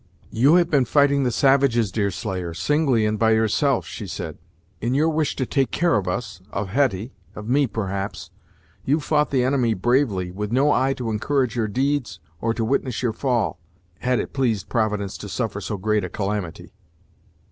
"You have been fighting the savages, Deerslayer, singly and by yourself!" she said. "In your wish to take care of us of Hetty of me, perhaps, you've fought the enemy bravely, with no eye to encourage your deeds, or to witness your fall, had it pleased Providence to suffer so great a calamity!"